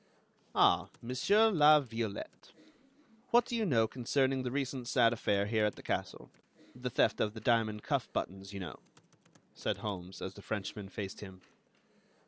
"Ah, Monsieur La Violette, what do you know concerning the recent sad affair here at the castle, the theft of the diamond cuff buttons, you know?" said Holmes, as the Frenchman faced him.